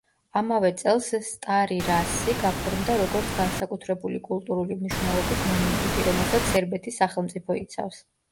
ამავე წელს, სტარი-რასი გაფორმდა როგორც განსაკუთრებული კულტურული მნიშვნელობის მონუმენტი, რომელსაც სერბეთის სახელმწიფო იცავს.